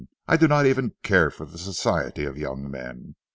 I do not even care for the society of young men.